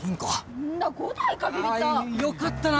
よかったな。